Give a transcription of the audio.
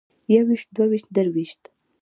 يوويشت دوويشت درويشت